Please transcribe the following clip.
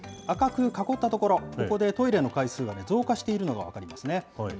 赤く囲った所、ここでトイレの回数が増加しているのが分かりますね。